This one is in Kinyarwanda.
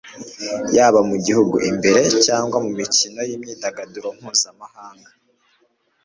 haba mu gihugu imbere cyangwa mu mikino n'imyidagaduro mpuzamahanga